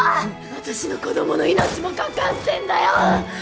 私の子供の命もかかってんだよ！